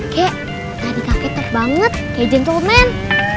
kak tadi kakek top banget kayak gentleman